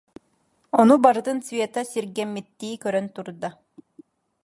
Ону барытын Света сиргэммиттии көрөн турда: